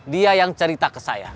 dia yang cerita ke saya